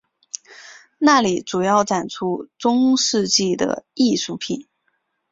那里主要展出中世纪的艺术品。